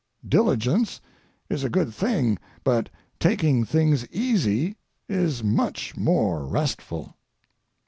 Diligence is a good thing, but taking things easy is much more restful.